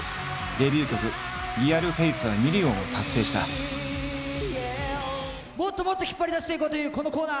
デビュー曲「ＲｅａｌＦａｃｅ」はもっともっと引っ張り出していこうというこのコーナー。